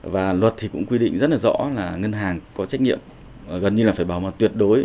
và luật thì cũng quy định rất là rõ là ngân hàng có trách nhiệm gần như là phải bảo mật tuyệt đối